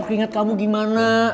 keringat kamu gimana